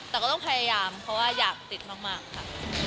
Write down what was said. แต่ก็ต้องพยายามเพราะว่าอยากติดมากค่ะ